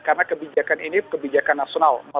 karena kebijakan ini kebijakan nasional